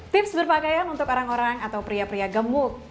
tips berpakaian untuk orang orang atau pria pria gemuk